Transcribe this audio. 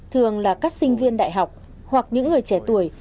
thường là các sinh viên đại học hoặc những người trẻ tuổi